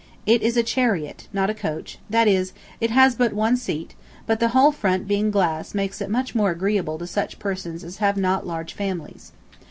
It is a chariot, not a coach; that is, it has but one seat, but the whole front being glass makes it much more agreeable to such persons as have not large families.